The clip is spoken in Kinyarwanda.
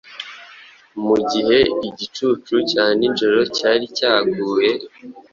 mugihe igicucu cya nijoro cyari cyaguye